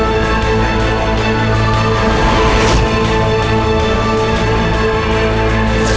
sape yang puter piringan hitam dis ni